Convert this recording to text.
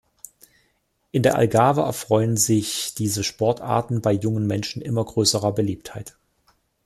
In der Algarve erfreuen sich diese Sportarten bei jungen Menschen immer größerer Beliebtheit.